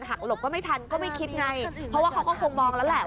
หลบก็ไม่ทันก็ไม่คิดไงเพราะว่าเขาก็คงมองแล้วแหละ